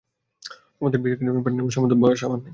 তোমাদের বিচারকার্যের প্যানেলে বসার মতো বয়স আমার নেই!